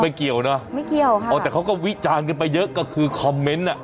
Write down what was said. เกี่ยวนะไม่เกี่ยวค่ะอ๋อแต่เขาก็วิจารณ์กันไปเยอะก็คือคอมเมนต์อ่ะ